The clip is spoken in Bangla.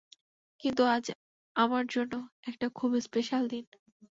কিন্তু আজ আমার জন্য একটা খুব স্পেশাল দিন।